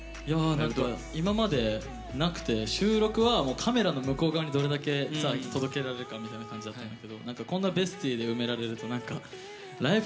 今までなくて収録はカメラの向こう側にどれだけ届けられるかみたいな感じだったんだけどこんなＢＥＳＴＹで埋められるとライブ？